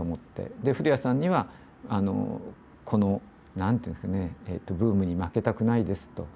で古屋さんにはこの何て言うんですかねブームに負けたくないですと。